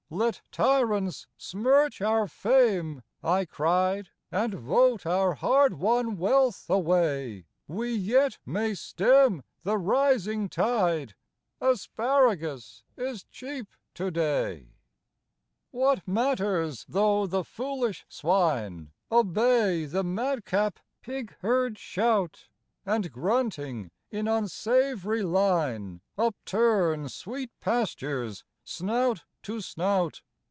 " Let tyrants smirch our fame," I cried, '‚ñÝ And vote our hard won wealth away. We yet may stem the rising tide : Asparagus is cheap to day !" THE DAG ONE T BALLADS. What matters though the foolish swine Obey the madcap pig herd's shout, And grunting in unsav'ry line Upturn sweet pastures snout to snout